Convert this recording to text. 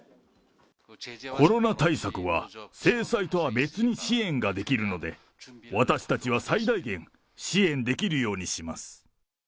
コロナ対策は、制裁とは別に支援ができるので、私たちは最大限、支援できるようにします。